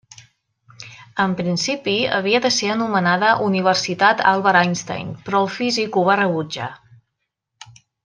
En principi, havia de ser anomenada Universitat Albert Einstein, però el físic ho va rebutjar.